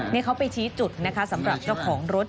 นี่เขาไปชี้จุดนะคะสำหรับเจ้าของรถ